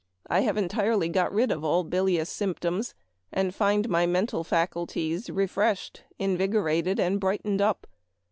I have entirely got rid of all bil ious symptoms, and find my mental faculties refreshed, invigorated, and brightened up.